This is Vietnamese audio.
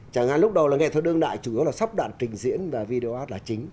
chẳng hạn lúc đầu là nghệ thuật đương đại chủ yếu là sắp đạn trình diễn và video là chính